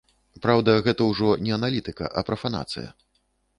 Праўда, гэта ўжо не аналітыка, а прафанацыя.